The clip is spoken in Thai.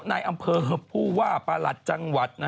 ในอำเภอผู้ว่าประหลัดจังหวัด